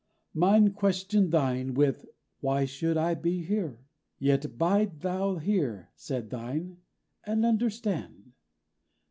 Mine questioned thine with 'Why should I be here?' 'Yet bide thou here,' said thine, 'and understand.'